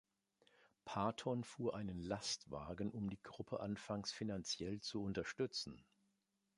Paton fuhr einen Lastwagen, um die Gruppe anfangs finanziell zu unterstützen.